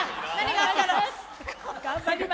頑張りまーす。